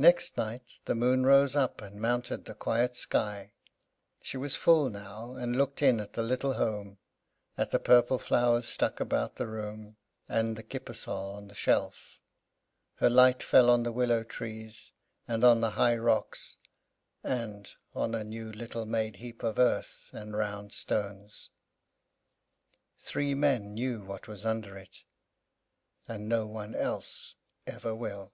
Next night, the moon rose up, and mounted the quiet sky. She was full now, and looked in at the little home; at the purple flowers stuck about the room, and the kippersol on the shelf. Her light fell on the willow trees, and on the high rocks, and on a little new made heap of earth and round stones. Three men knew what was under it; and no one else ever will.